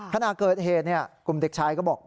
ขณะเกิดเหตุกลุ่มเด็กชายก็บอก